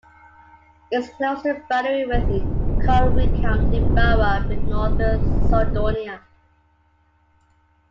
It is close to the boundary with Conwy county borough in northern Snowdonia.